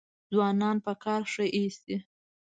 ځوانان په کار ښه ایسي.